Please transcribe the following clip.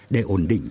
để ổn định